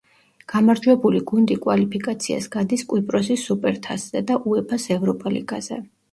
გამარჯვებული გუნდი კვალიფიკაციას გადის კვიპროსის სუპერთასზე და უეფა-ს ევროპა ლიგაზე.